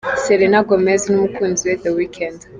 Selena Gomez n’umukunzi we The Weekend.